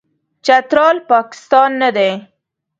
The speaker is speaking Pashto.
چترال، پاکستان نه دی.